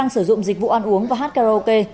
sử dụng dịch vụ ăn uống và hát karaoke